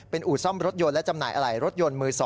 อู่ซ่อมรถยนต์และจำหน่ายอะไหล่รถยนต์มือ๒